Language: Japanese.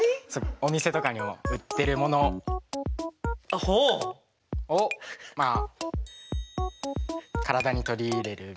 お店とかにも売ってるものをまあ体にとり入れるみたいな。